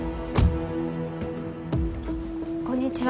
こんにちは